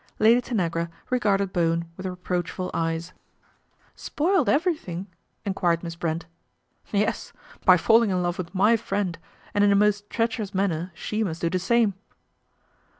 Lady Tanagra regarded Bwen with reproachful eyes. 128 PATRICIA BRENT, SPINSTER " Spoiled everything ?" enquired Miss Brent. " Yes ; by falling in love with my friend, and in a most treacherous manner she must do the same.'